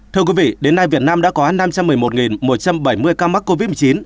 thưa quý vị đến nay việt nam đã có năm trăm một mươi một một trăm bảy mươi ca mắc covid một mươi chín